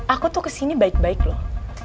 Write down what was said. aku tuh kesini baik baik loh